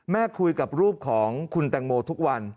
คุยกับรูปของคุณแตงโมทุกวัน